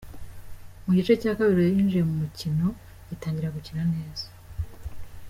Mu gice cya kabiri Rayon yinjiye mu mukino itangira gukina neza.